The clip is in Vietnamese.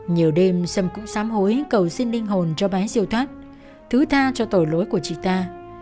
nhiều đêm xâm cũng xám hối cầu xin linh hồn cho bái diệu thoát thứ tha cho tội lỗi của chị ta